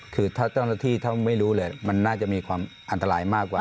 คือถ้าเจ้าหน้าที่ถ้าไม่รู้เลยมันน่าจะมีความอันตรายมากกว่า